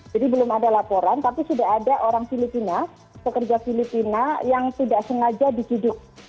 jadi belum ada laporan tapi sudah ada orang filipina pekerja filipina yang tidak sengaja diciduk